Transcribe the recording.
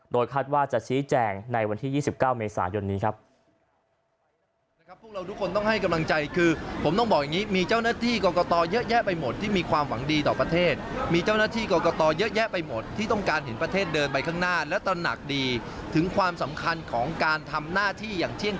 โดยคาดว่าจะฉีดแจงวันที่๒๙เมษายนนี้